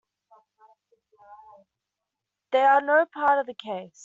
They are no part of the case.